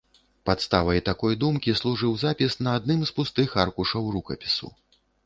Падставай такой думкі служыў запіс на адным з пустых аркушаў рукапісу.